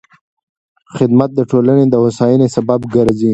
خدمت د ټولنې د هوساینې سبب ګرځي.